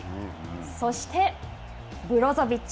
そしてブロゾビッチ。